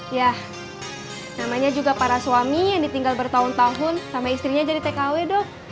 ya namanya juga para suami yang ditinggal bertahun tahun sama istrinya jadi tkw dok